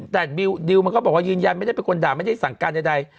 แต่ดิวมันก็บอกว่ายืนยันไม่ได้เป็นคนด่าไม่ได้สั่งการใด